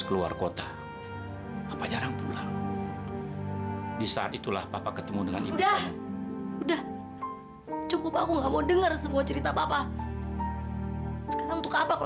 kamu tahu buat kamu ini itulah yang paling baik